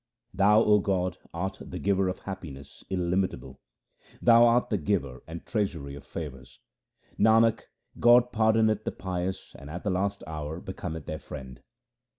' Thou 0 God, art the Giver of happiness, illimitable ; Thou art the Giver and treasury of favours.' Nanak, God pardoneth the pious and at the last hour becometh their Friend.